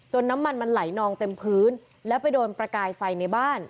น้ำมันมันไหลนองเต็มพื้นแล้วไปโดนประกายไฟในบ้าน